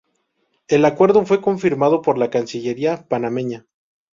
El acuerdo fue confirmado por la cancillería panameña.